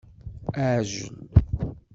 Aεjel